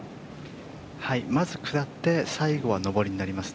まず下って最後は上りになります。